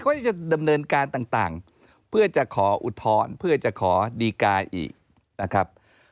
ก็จะดำเนินการต่างเพื่อจะขออุทธรณ์เพื่อจะขอดีกาอีกนะครับ